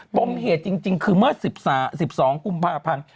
ปมเหตุจริงคือเมื่อ๑๒กุมภาพันธ์